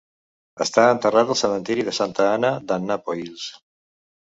Està enterrat al cementiri de Santa Anna d"Annapoils.